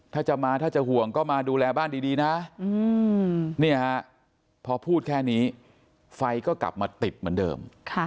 ถ้าจะมาถ้าจะห่วงก็มาดูแลบ้านดีนะพอพูดแค่นี้ไฟก็กลับมาติดเหมือนเดิม